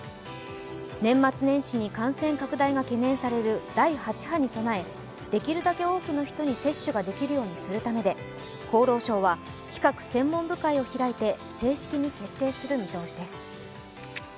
年末年始に感染拡大が懸念される第８波に備えできるだけ多くの人に接種ができるようにするためで厚労省は近く、専門部会を開いて正式に決定する見通しです。